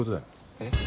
えっ？